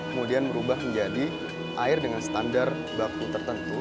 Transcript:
kemudian berubah menjadi air dengan standar baku tertentu